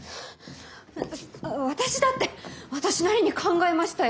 私だって私なりに考えましたよ。